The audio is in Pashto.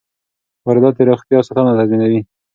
واردات د روغتیا ساتنه تضمینوي.